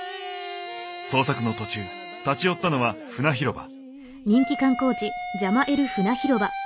捜索の途中立ち寄ったのはフナ広場。